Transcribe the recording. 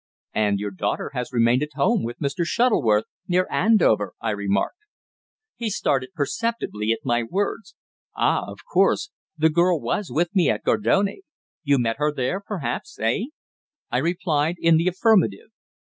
"And your daughter has remained at home with Mr. Shuttleworth, near Andover," I remarked. He started perceptibly at my words. "Ah! of course. The girl was with me at Gardone. You met her there, perhaps eh?" I replied in the affirmative.